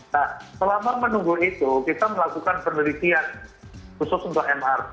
nah selama menunggu itu kita melakukan penelitian khusus untuk mrt